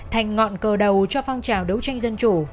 thành ngọn cờ đầu cho phong trào đấu tranh dân chủ